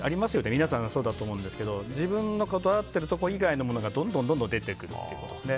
皆さん、そうだと思うんですけど自分がこだわっているものがどんどん出てくるということですね。